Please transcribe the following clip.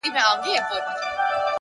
زړورتیا د حرکت نوم دی!.